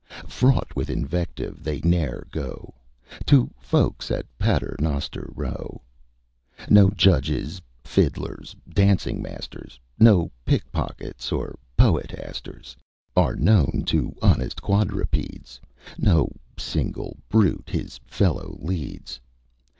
Fraught with invective they ne'er go To folks at Paternoster Row: No judges, fiddlers, dancing masters, No pickpockets, or poetasters Are known to honest quadrupeds: No single brute his fellows leads.